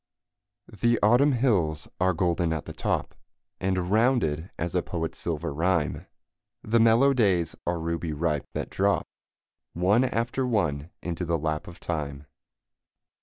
The Autumn hills are golden at the top, And rounded as a poet's silver rhyme; The mellow days are ruby ripe, that drop One after one into the lap of time.